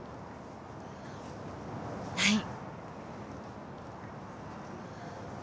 はい。